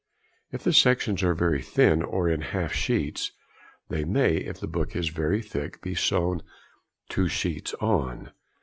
If the sections are very thin, or in half sheets, they may, if the book is very thick, be sewn "two sheets on."